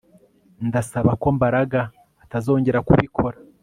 Ndasaba ko Mbaraga atazongera kubikora